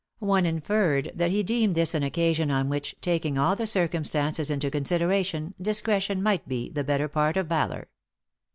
One inferred that he deemed this an occasion on which, taking all the circumstances into consideration, discretion might be the better part of valour.